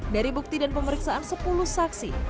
dari bukti dan pemeriksaan sepuluh saksi